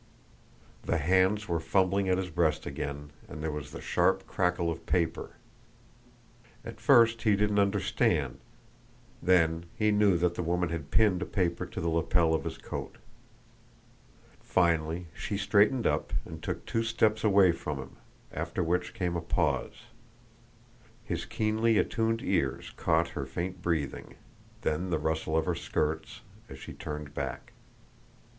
The hands were fumbling at his breast again, and there was the sharp crackle of paper. At first he didn't understand, then he knew that the woman had pinned a paper to the lapel of his coat. Finally she straightened up, and took two steps away from him, after which came a pause. His keenly attuned ears caught her faint breathing, then the rustle of her skirts as she turned back.